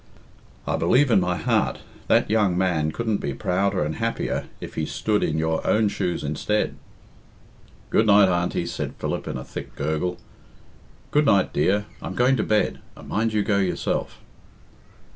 I believe in my heart that young man couldn't be prouder and happier if he stood in your own shoes instead." "Good night, Auntie," said Philip, in a thick gurgle. "Good night, dear. I'm going to bed, and mind you go yourself."